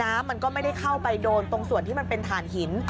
น้ำมันก็ไม่ได้เข้าไปโดนตรงส่วนที่มันเป็นถ่านหิน